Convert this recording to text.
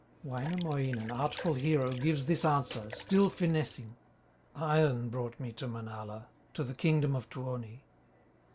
Wainamoinen, artful hero, Gives this answer, still finessing: "Iron brought me to Manala, To the kingdom of Tuoni."